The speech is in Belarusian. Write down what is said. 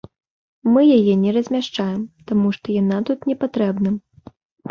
Мы яе не размяшчаем, таму што яна тут не патрэбна.